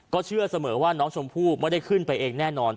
เชื่อเสมอว่าน้องชมพู่ไม่ได้ขึ้นไปเองแน่นอน